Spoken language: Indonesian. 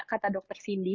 kata dokter cindy